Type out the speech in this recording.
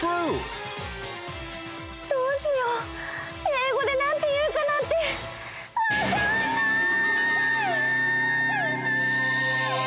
どうしようえいごでなんていうかなんてわかんない！